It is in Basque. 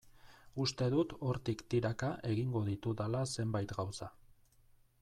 Uste dut hortik tiraka egingo ditudala zenbait gauza.